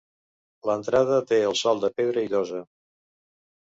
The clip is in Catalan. L'entrada té el sol de pedra i llosa.